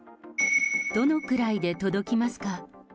どのくらいで届きますか。